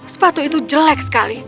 sepatu itu jelek sekali